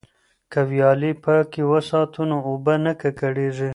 که ویالې پاکې وساتو نو اوبه نه ککړیږي.